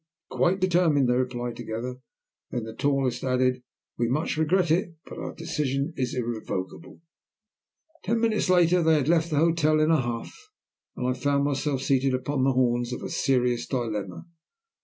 "Quite determined," they replied together. Then the tallest added, "We much regret it, but our decision is irrevocable." Ten minutes later they had left the hotel in a huff, and I found myself seated upon the horns of a serious dilemma.